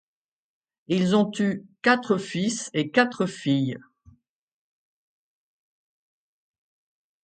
Ils ont eu quatre fils et quatre filles.